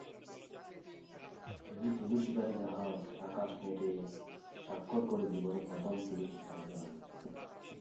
তিনি তিমিশিকারী জাহাজ অ্যাকাশনেট-এ সাক্ষর করে জীবনে প্রথম তিমি শিকারে যান।